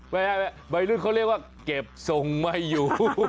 วัยรุ่นเขาเรียกว่าเก็บทรงไม่อยู่